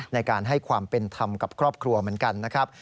ในการให้ความเป็นธรรมกับครอบครัวเหมือนกันนะครับ